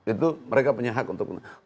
itu mereka punya hak untuk